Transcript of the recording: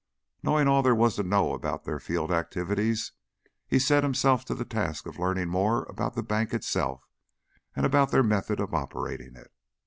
Knowing all there was to know about their field activities, he set himself to the task of learning more about the bank itself and about their method of operating it.